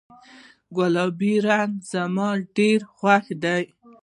ګلابي رنګ زما ډیر خوښ ده